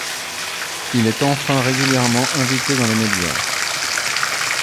Il est enfin régulièrement invité dans les médias.